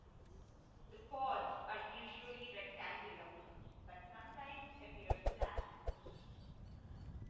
The pods are usually rectangular, but sometimes appear flat.